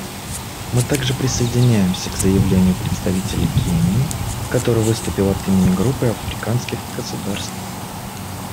Мы также присоединяемся к заявлению представителя Кении, который выступил от имени Группы африканских государств.